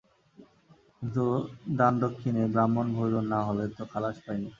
কিন্তু দান-দক্ষিনে ব্রাহ্মণভোজন না হলে তো খালাস পাই নে।